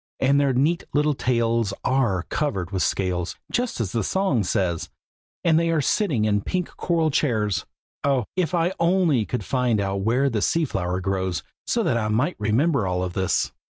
and their neat little tails are covered with scales, just as the song says, and they are sitting in pink coral chairs. Oh! if I could only find out where the sea flower grows, so that I might remember all this!"